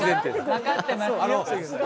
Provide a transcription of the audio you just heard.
分かってますよ。